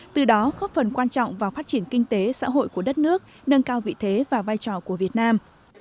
từ đó góp phần quan trọng vào phát triển kinh tế xã hội của đất nước nâng cao vị thế và vai trò của việt nam